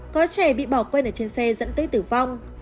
có trẻ bị bỏ quên ở trên xe dẫn tới tử vong